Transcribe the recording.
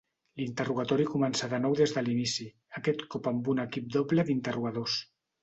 L'interrogatori començà de nou des de l'inici, aquest cop amb un equip doble d'interrogadors.